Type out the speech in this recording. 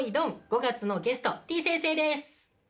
５がつのゲストてぃ先生です！